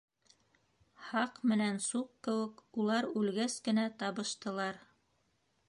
Һаҡ менән Суҡ кеүек улар үлгәс кенә табыштылар...